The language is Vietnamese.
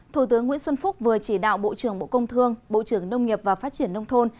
thủ tướng nguyễn xuân phúc vừa chỉ đạo bộ trưởng bộ công thương bộ trưởng nông nghiệp và phát triển nông thôn